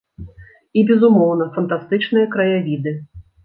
І, безумоўна, фантастычныя краявіды.